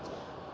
puspa dan seril